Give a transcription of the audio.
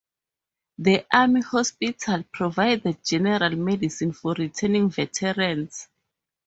The Army hospital provided general medicine for returning veterans.